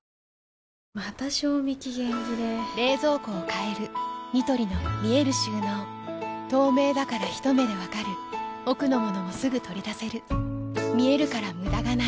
また賞味期限切れ冷蔵庫を変えるニトリの見える収納透明だからひと目で分かる奥の物もすぐ取り出せる見えるから無駄がないよし。